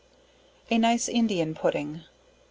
A Nice Indian Pudding.